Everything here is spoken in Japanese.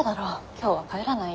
今日は帰らないよ。